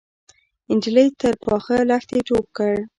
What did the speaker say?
نجلۍ تر پاخه لښتي ټوپ کړ.